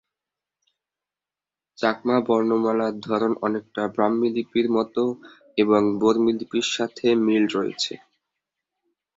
চাকমা বর্ণমালার ধরন অনেকটা ব্রাহ্মী লিপির মতো এবং বর্মী লিপির সাথে মিল রয়েছে।